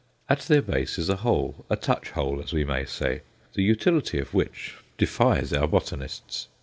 At their base is a hole a touch hole, as we may say, the utility of which defies our botanists.